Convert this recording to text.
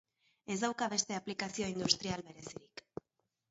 Ez dauka beste aplikazio industrial berezirik.